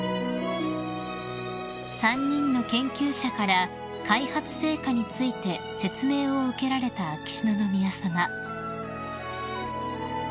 ［３人の研究者から開発成果について説明を受けられた秋篠宮さま］